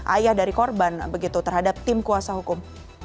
ayah dari korban begitu terhadap tim kuasa hukum